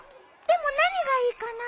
でも何がいいかな？